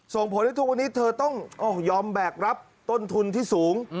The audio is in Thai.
ส่งผลให้ทุกวันนี้เธอต้องยอมแบกรับต้นทุนที่สูง